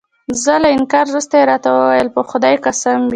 زما له انکار وروسته يې راته وویل: په خدای دې قسم وي.